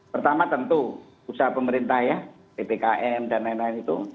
pertama tentu usaha pemerintah ya ppkm dan lain lain itu